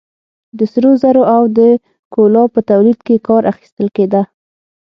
د سرو زرو او د کولا په تولید کې کار اخیستل کېده.